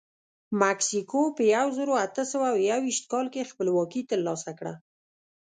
مکسیکو په یو زرو اته سوه یوویشت کال کې خپلواکي ترلاسه کړه.